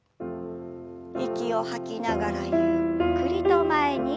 息を吐きながらゆっくりと前に。